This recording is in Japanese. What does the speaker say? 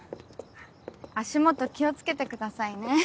足元気を付けてくださいね。